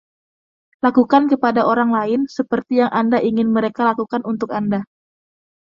Lakukan kepada orang lain seperti yang Anda ingin mereka lakukan untuk Anda.